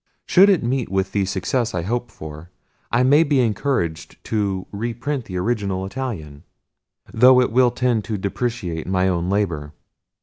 Should it meet with the success I hope for, I may be encouraged to reprint the original Italian, though it will tend to depreciate my own labour.